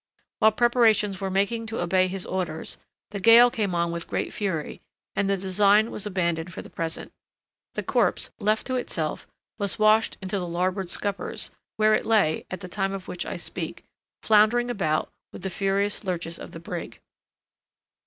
While preparations were making to obey his orders, the gale came on with great fury, and the design was abandoned for the present. The corpse, left to itself, was washed into the larboard scuppers, where it still lay at the time of which I speak, floundering about with the furious lurches of the brig.